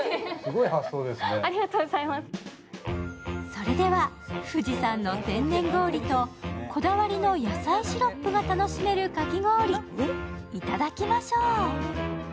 それでは富士山の天然氷とこだわりの野菜シロップが楽しめるかき氷、頂きましょう。